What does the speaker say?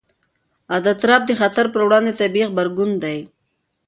اضطراب د خطر پر وړاندې طبیعي غبرګون دی.